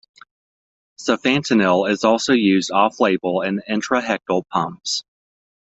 Sufentanil is also used off-label in intrathecal pumps.